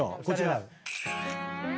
こちら。